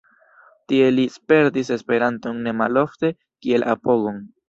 Tie li spertis Esperanton ne malofte kiel apogon.